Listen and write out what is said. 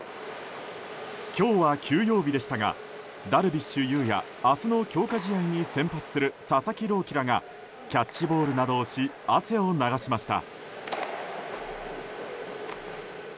今日は休養日でしたがダルビッシュ有や明日の強化試合に先発する佐々木朗希らがキャッチボールなどをし汗を流しました。